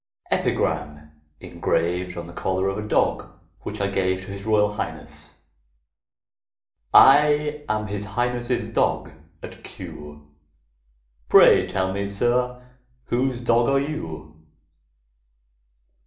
EPIGRAM, ENGRAVED ON THE COLLAR OF A DOG WHICH I GAVE TO HIS ROYAL HIGHNESS. I am His Highness' dog at Kew; Pray tell me, sir, whose dog are you?